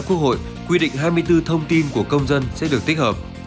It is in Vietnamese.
quốc hội quy định hai mươi bốn thông tin của công dân sẽ được tích hợp